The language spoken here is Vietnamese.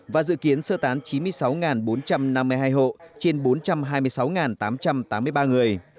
và dự kiến sơ tán chín mươi sáu bốn trăm năm mươi hai hộ trên bốn trăm hai mươi sáu tám trăm tám mươi ba người